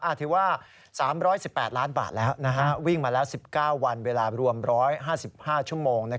ถือว่า๓๑๘ล้านบาทแล้ววิ่งมาแล้ว๑๙วันเวลารวม๑๕๕ชั่วโมง